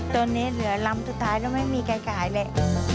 ตอนนี้เหลือลำสุดท้ายก็ไม่มีใกล้เลย